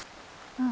うん！